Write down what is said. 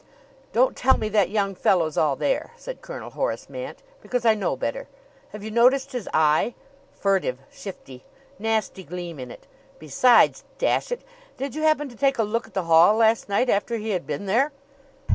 "Don't tell me that young fellow's all there," said Colonel Horace Mant; "because I know better. Have you noticed his eye? Furtive! Shifty! Nasty gleam in it. Besides dash it! did you happen to take a look at the hall last night after he had been there?